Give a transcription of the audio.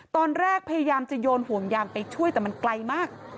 พยายามจะโยนห่วงยางไปช่วยแต่มันไกลมาก